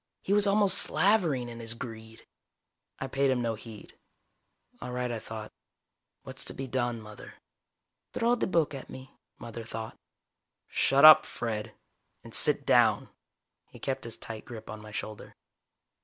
He was almost slavering in his greed. I paid him no heed. All right, I thought. What's to be done, Mother? Throw the book at me, Mother thought. "Shut up, Fred. And sit down." He kept his tight grip on my shoulder.